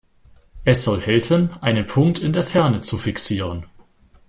Es soll helfen, einen Punkt in der Ferne zu fixieren.